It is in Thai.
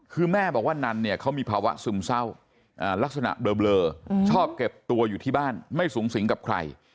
คือแม่บอกว่านันเนี่ยเขามีภาวะซึมเศร้าลักษณะเบลอชอบเก็บตัวอยู่ที่บ้านไม่สูงสิงกับใคร